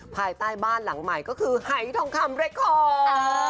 ภายใต้บ้านหลังใหม่ก็คือหายทองคำแรกของ